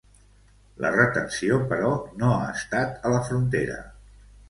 La retenció, però, no ha estat a la frontera.